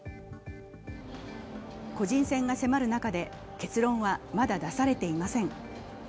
個人戦が迫る中で結論はまだ出されていません。